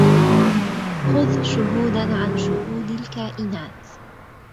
خذ شهودا عن شهود الكائنات